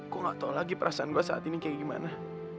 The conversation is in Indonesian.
gue gak tau lagi perasaan gue saat ini kayak gimana